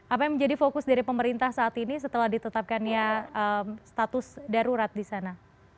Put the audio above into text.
apa yang menjadi fokus dari pemerintah saat ini setelah ditetapkannya status darurat di sana